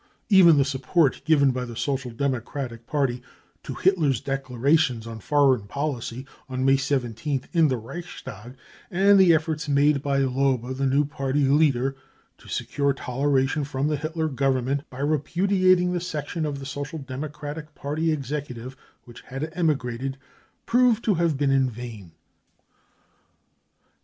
Even the support given by the Social Democratic Party to Hitler's declaration on foreign policy, on May 17th in the Reichstag, and the efforts made by Lobe, the new Party leader, to secure toleration from the Hitler Government by repudiating the section of the Social Democratic Party Executive which had emigrated, proved to have been in vain.